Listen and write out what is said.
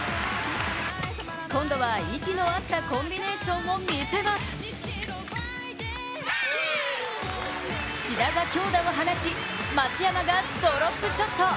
今度は息の合ったコンビネーションを見せます志田が強打を放ち、松山がドロップショット。